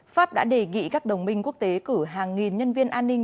pháp đã đề nghị các đồng minh quốc tế cử hàng nghìn nhân viên an ninh